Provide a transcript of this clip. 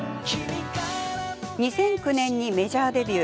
２００９年にメジャーデビュー。